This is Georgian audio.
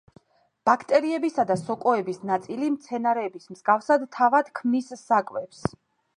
ბაქტერიებისა და სოკოების ნაწილი, მცენარეების მსგავსად, თავად ქმნის საკვებს.